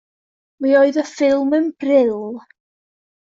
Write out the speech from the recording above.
Mi oedd y ffilm yn bril.